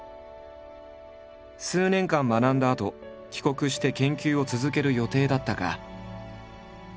数年間学んだあと帰国して研究を続ける予定だったが。